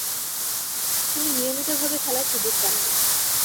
তিনি নিয়মিতভাবে খেলার সুযোগ পাননি।